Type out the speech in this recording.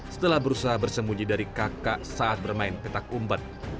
setelah berusaha bersembunyi dari kakak saat bermain petak umpet